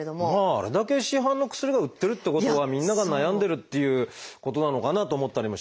あれだけ市販の薬が売ってるってことはみんなが悩んでるっていうことなのかなと思ったりもしますが。